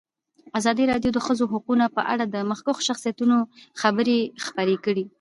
ازادي راډیو د د ښځو حقونه په اړه د مخکښو شخصیتونو خبرې خپرې کړي.